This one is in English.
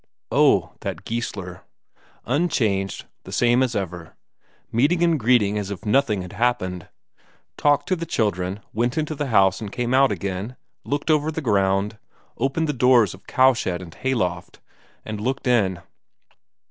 Oh, that Geissler! Unchanged, the same as ever; meeting and greeting as if nothing had happened, talked to the children, went into the house and came out again, looked over the ground, opened the doors of cowshed and hayloft and looked in.